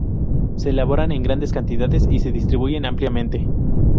Se elaboran en grandes cantidades y se distribuyen ampliamente.